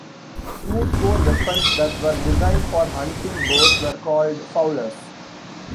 Smoothbore weapons that were designed for hunting birds were called fowlers.